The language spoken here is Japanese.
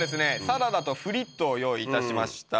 サラダとフリットを用意いたしました。